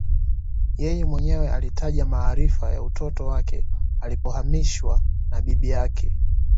Yeye mwenyewe alitaja maarifa ya utoto wake alipohamasishwa na bibi yake